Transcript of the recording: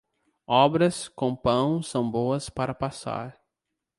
Obras com pão são boas para passar.